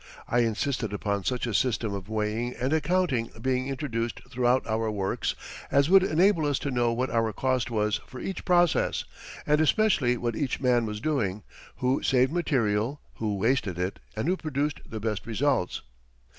I insisted upon such a system of weighing and accounting being introduced throughout our works as would enable us to know what our cost was for each process and especially what each man was doing, who saved material, who wasted it, and who produced the best results.